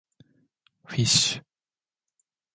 fish